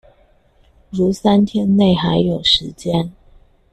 如三天内還有時間